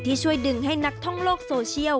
ที่ช่วยดึงให้นักท่องโลกโซเชียล